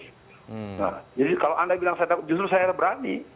nah jadi kalau anda bilang justru saya berani